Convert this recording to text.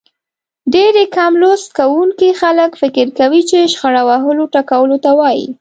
ډېری کم لوست کوونکي خلک فکر کوي چې شخړه وهلو ټکولو ته وايي.